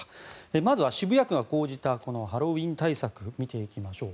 まずは渋谷区が講じたハロウィーン対策を見ていきましょう。